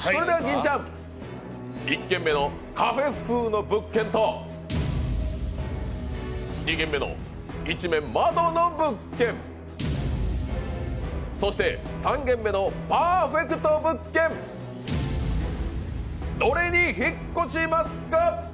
それでは金ちゃん、１軒目のカフェ風の物件と２軒目の一面窓の物件、３軒目のパーフェクト物件、どれに引っ越しますか？